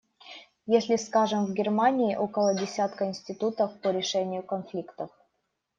Если, скажем, в Германии около десятка институтов по решению конфликтов.